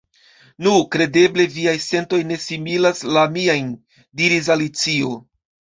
"Nu, kredeble viaj sentoj ne similas la miajn," diris Alicio.